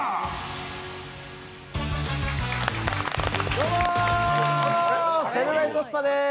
どうもセルライトスパです